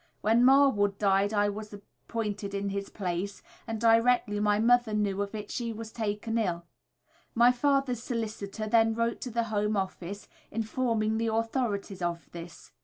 "When Marwood died I was appointed in his place, and directly my mother knew of it she was taken ill. My father's solicitor then wrote to the Home Office, informing the authorities of this.